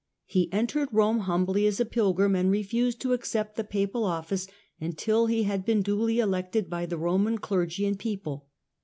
He entered Eome humbly as a pilgrim, and refused to accept the papal ofhce until he had been duly elected by the Eoman cleroy and people.